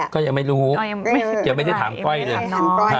ก็ยังไม่รู้ยังไม่ได้ถามก้อยเลย